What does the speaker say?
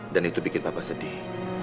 dan itu bikin papa sedih